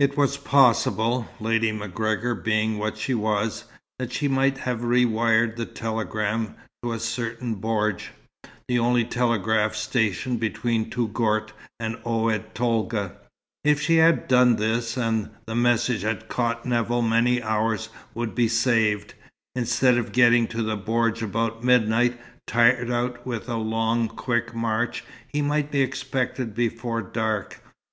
It was possible, Lady MacGregor being what she was, that she might have rewired the telegram to a certain bordj, the only telegraph station between Touggourt and Oued Tolga. If she had done this, and the message had caught Nevill, many hours would be saved. Instead of getting to the bordj about midnight, tired out with a long, quick march, he might be expected before dark.